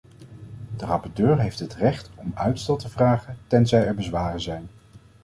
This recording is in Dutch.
De rapporteur heeft het recht om uitstel te vragen, tenzij er bezwaren zijn.